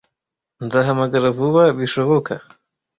Nzahamagara vuba bishoboka.